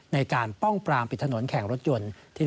ป้องปรามปิดถนนแข่งรถยนต์